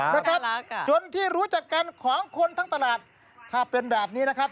นะครับจนที่รู้จักกันของคนทั้งตลาดถ้าเป็นแบบนี้นะครับ